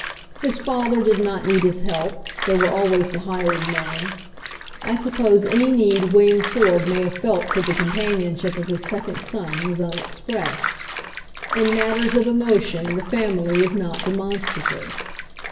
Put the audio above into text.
His father did not need his help; there were always the hired men. I suppose any need William Ford may hare felt for the companion ship of his second son was unexpressed. In mat 14 THE FIRST JOB 15 ters of emotion the family is not demonstrative.